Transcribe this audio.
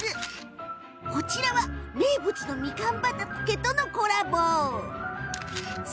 こちらは名物のみかん畑とのコラボよ。